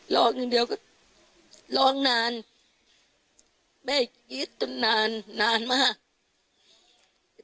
ร้องทั้งเดียวก็ร้องนานแม่คิดจนนานนานมาก